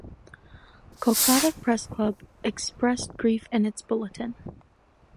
Kolkata Press Club expressed grief in its bulletin.